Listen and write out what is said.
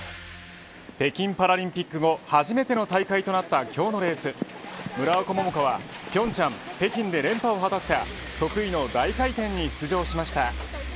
北京パラリンピック後初めての大会となった今日のレース村岡桃佳は平昌、北京で連覇を果たした得意の大回転に出場しました。